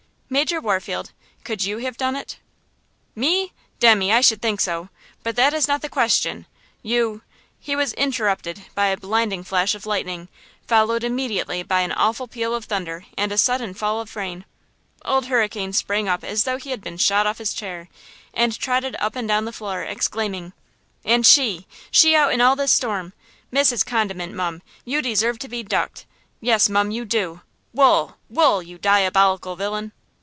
"Major Warfield, could you have done it?" "Me? Demmy, I should think so; but that is not the question! You–" He was interrupted by a blinding flash of lightning, followed immediately by an awful peal of thunder and a sudden fall of rain. Old Hurricane sprang up as though he had been shot off his chair and trotted up and down the floor exclaiming: "And she–she out in all this storm! Mrs. Condiment, mum, you deserve to be ducked! Yes, mum, you do! Wool! Wool! you diabolical villain!"